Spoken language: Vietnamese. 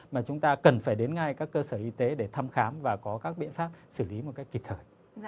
mà chúng ta cần phải đến ngay các cơ sở y tế để thăm khám và có các biện pháp xử lý một cách kịp thời